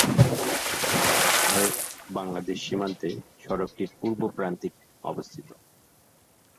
ভারত-বাংলাদেশ সীমান্তে সড়কটির পূর্ব প্রান্তিক অবস্থিত।